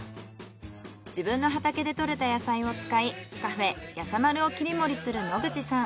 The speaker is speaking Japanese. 自分の畑で採れた野菜を使いカフェやさまるを切り盛りする野口さん。